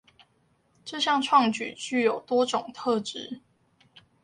這項創舉具有多種特質